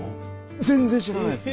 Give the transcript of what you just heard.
全然知らないですね。